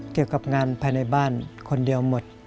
เกี่ยวกับงานภายในบ้านคนเดียวหมด